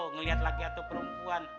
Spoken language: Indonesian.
ngeliat laki laki atau perempuan